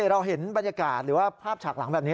เราเห็นบรรยากาศหรือว่าภาพฉากหลังแบบนี้